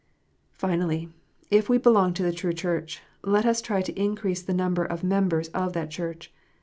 "* Finally, if we belong to the true Church, let us try to increase the number of members of that Church.